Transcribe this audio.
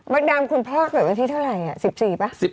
ดำคุณพ่อเกิดวันที่เท่าไหร่๑๔ป่ะ